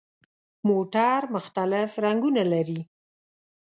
موټر مختلف رنګونه لري.